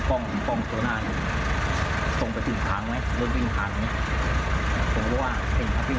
พอเข้านัดหนึ่งเสร็จเขาก็กลับ